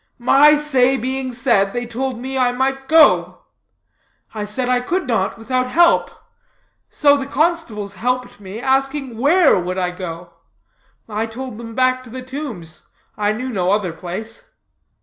"My say being said, they told me I might go. I said I could not without help. So the constables helped me, asking where would I go? I told them back to the 'Tombs.' I knew no other place.